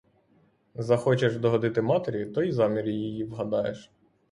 Захочеш догодити матері, то й замір її вгадаєш.